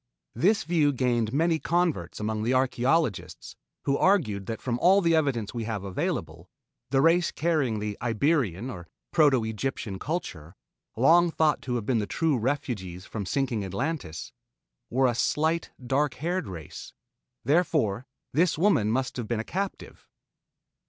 This view gained many converts among the archaeologists who argued that from all the evidence we have available, the race carrying the Iberian or Proto Egyptian culture, long thought to have been the true refugees from sinking Atlantis, were a slight dark haired race. Therefore this woman must have been a captive.